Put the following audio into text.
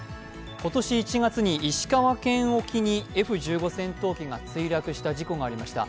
今年１月に石川県沖にＦ１５戦闘機が墜落した事故がありました。